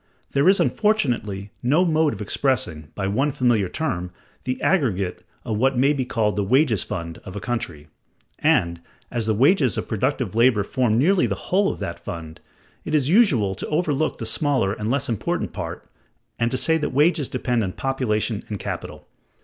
There is unfortunately no mode of expressing, by one familiar term, the aggregate of what may be called the wages fund of a country: and, as the wages of productive labor form nearly the whole of that fund, it is usual to overlook the smaller and less important part, and to say that wages depend on population and capital.